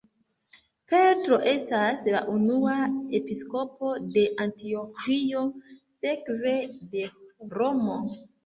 Petro estas la unua episkopo de Antioĥio sekve de Romo.